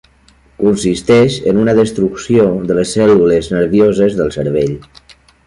Consisteix en una destrucció de les cèl·lules nervioses del cervell.